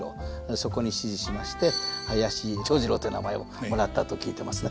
そこに師事しまして林長二郎という名前をもらったと聞いてますね。